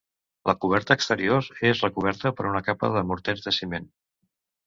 La coberta exterior és recoberta per una capa de morter de ciment.